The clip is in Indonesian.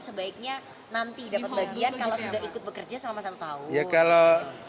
sebaiknya nanti dapat bagian kalau sudah ikut bekerja selama satu tahun